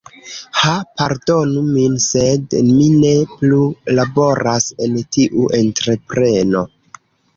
"Ha pardonu min, sed mi ne plu laboras en tiu entrepreno.